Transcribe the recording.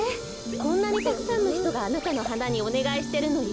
こんなにたくさんのひとがあなたのはなにおねがいしてるのよ。